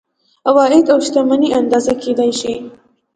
عواید او شتمني اندازه کیدلی شي.